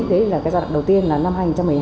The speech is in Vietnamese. đấy là gia đoạn đầu tiên là năm hai nghìn một mươi hai